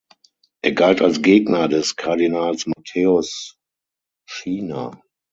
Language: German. Er galt als Gegner des Kardinals Matthäus Schiner.